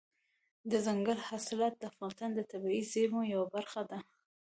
دځنګل حاصلات د افغانستان د طبیعي زیرمو یوه برخه ده.